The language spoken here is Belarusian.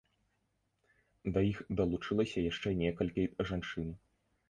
Да іх далучылася яшчэ некалькі жанчын.